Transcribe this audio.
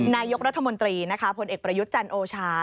นายกรัฐมนตรีนะคะผลเอกประยุทธ์จันทร์โอชา